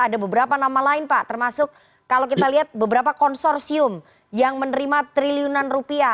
ada beberapa nama lain pak termasuk kalau kita lihat beberapa konsorsium yang menerima triliunan rupiah